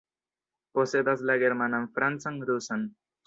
Posedas la germanan, francan, rusan.